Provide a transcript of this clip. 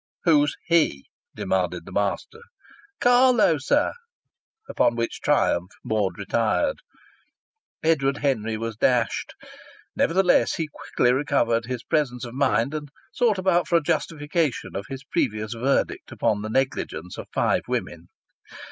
"Who's 'he?'" demanded the master. "Carlo, sir." Upon which triumph Maud retired. Edward Henry was dashed. Nevertheless, he quickly recovered his presence of mind and sought about for a justification of his previous verdict upon the negligence of five women.